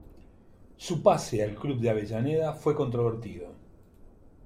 Su pase al club de Avellaneda fue controvertido.